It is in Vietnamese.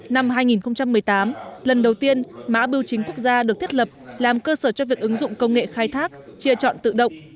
năm hai nghìn một mươi tám lần đầu tiên mã biểu chính quốc gia được thiết lập làm cơ sở cho việc ứng dụng công nghệ khai thác chia chọn tự động